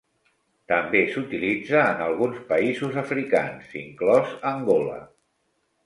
També s'utilitza en alguns països africans inclòs Angola.